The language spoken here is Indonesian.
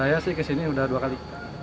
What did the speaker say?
saya sih kesini udah dua kali